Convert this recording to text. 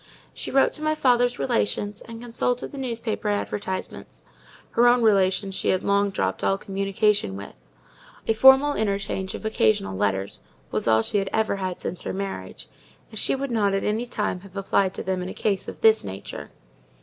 She wrote to my father's relations, and consulted the newspaper advertisements—her own relations she had long dropped all communication with: a formal interchange of occasional letters was all she had ever had since her marriage, and she would not at any time have applied to them in a case of this nature.